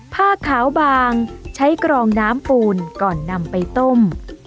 ผ้าขาวบางใช้กรองน้ำปูนก่อนนำไปต้ม